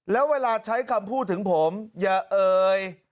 แล้วเวลาใช้คำพูดถึงผมอย่าเอ่ย